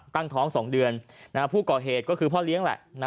ตั้งท้อง๒เดือนผู้ก่อเหตุก็คือพ่อเลี้ยงแหละ